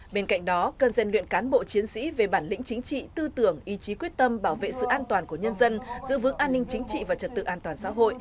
bên cạnh đó cần rèn luyện cán bộ chiến sĩ về bản lĩnh chính trị tư tưởng ý chí quyết tâm bảo vệ sự an toàn của nhân dân giữ vững an ninh chính trị và trật tự an toàn xã hội